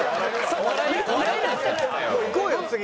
もういこうよ次！